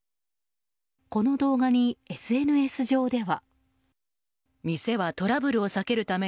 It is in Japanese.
この動画にＳＮＳ上では。